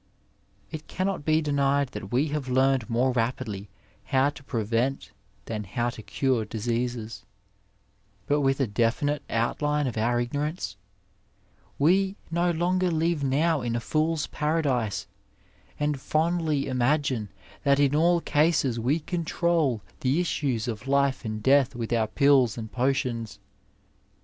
It cannot be denied that we have learned more rapidly how to prevent than how to cure diseases, but with a definite outline of our ignorance we no l<mger live now in a fool's Paradise, and fondly imagine that in all cases we control the issues of life and death with our pills and potions.